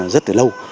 rất từ lâu